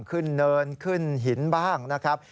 เนินขึ้นหินบ้างนะครับ